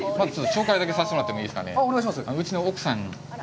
紹介だけさせてもらってもいいですかね？